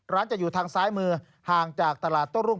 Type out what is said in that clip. จะอยู่ทางซ้ายมือห่างจากตลาดโต้รุ่ง